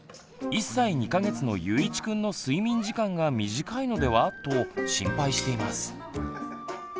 １歳２か月のゆういちくんの睡眠時間が短いのではと心配しています。